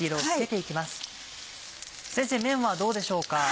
先生麺はどうでしょうか？